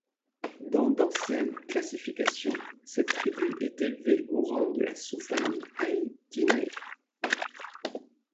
Dans d'anciennes classifications, cette tribu est élevée au rang de la sous-famille Aythyinae.